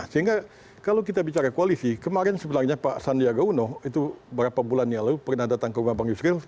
sehingga kalau kita bicara koalisi kemarin sebenarnya pak sandiaga uno itu berapa bulan yang lalu pernah datang ke bambang yusril